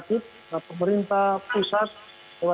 kita akan menjalankan penanganan dbd secara keseluruhan